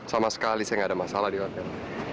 sama sekali saya nggak ada masalah di hotel